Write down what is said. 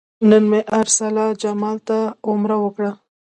نن مې ارسلا جمال ته عمره وکړه.